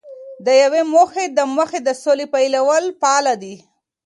د یوې موخی د مخې د سولې پلویان فعال دي.